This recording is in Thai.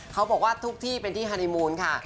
เขาบอกว่าทุกที่เป็นที่ฮานีมูลค่ะ